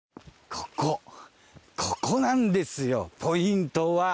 ここここなんですよポイントは！